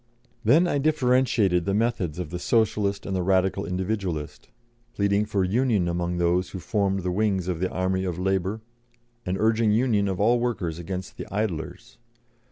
Then I differentiated the methods of the Socialist and the Radical Individualist, pleading for union among those who formed the wings of the army of Labour, and urging union of all workers against the idlers.